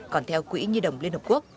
còn theo quỹ nhi đồng liên hợp quốc